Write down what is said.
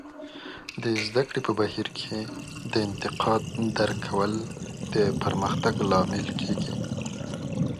د زده کړې په بهیر کې د انتقاد درک کول د پرمختګ لامل کیږي.